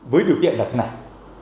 với điều kiện là thế này